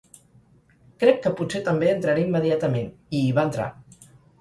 "Crec que potser també entraré immediatament", i hi va entrar.